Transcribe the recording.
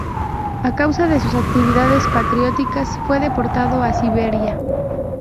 A causa de sus actividades patrióticas, fue deportado a Siberia.